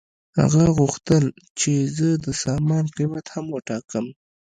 هغه وغوښتل چې زه د سامان قیمت هم وټاکم